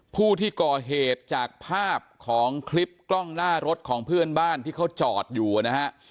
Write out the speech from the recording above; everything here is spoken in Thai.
ผู้ที่ก่อเหตุจากภาพของคลิปกล้องหน้ารถของเพื่อนบ้านที่เขาจอดอยู่นะฮะ